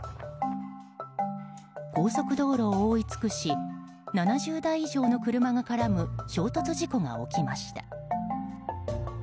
高速道路を覆い尽くし７０台以上の車が絡む衝突事故が起きました。